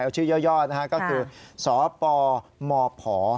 เอาชื่อเยอะก็คือสปมภ